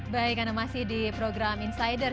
baik anda masih di program insider